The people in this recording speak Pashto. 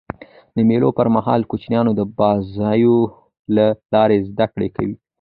د مېلو پر مهال کوچنيان د بازيو له لاري زدهکړه کوي.